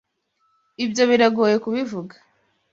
Ibyo biragoye kubivuga.